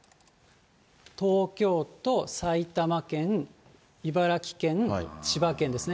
東京都、埼玉県、茨城県、千葉県ですね。